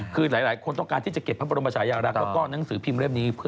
คือหลายคนต้องการที่จะเก็บพระบรมชายารักษ์แล้วก็หนังสือพิมพ์เล่มนี้